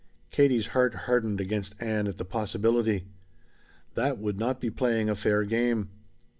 Katie's heart hardened against Ann at the possibility. That would not be playing a fair game.